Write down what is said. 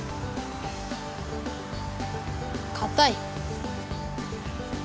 かたい！